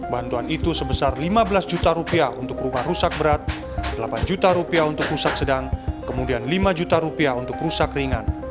bantuan itu sebesar lima belas juta rupiah untuk rumah rusak berat delapan juta rupiah untuk rusak sedang kemudian lima juta rupiah untuk rusak ringan